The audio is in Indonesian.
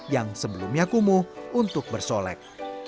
yang sebelumnya kumuh untuk bersolek